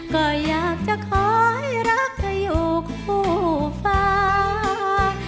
ก็อยากจะขอให้รักเธออยู่คู่ฟ้า